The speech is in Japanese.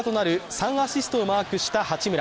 ３アシストをマークした八村。